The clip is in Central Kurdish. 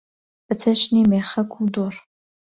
بە چەشنی مێخەک و دوڕ